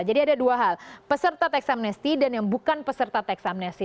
jadi ada dua hal peserta teksamnesti dan yang bukan peserta teksamnesti